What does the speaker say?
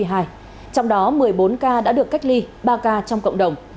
trong đó một mươi bốn ca đã được cách ly ba ca trong cộng đồng